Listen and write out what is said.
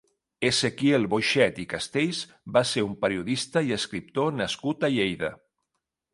Ezequiel Boixet i Castells va ser un periodista i escriptor nascut a Lleida.